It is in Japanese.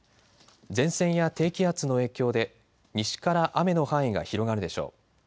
前線や低気圧の影響で西から雨の範囲が広がるでしょう。